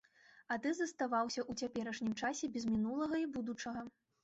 А ты заставаўся ў цяперашнім часе, без мінулага і будучага.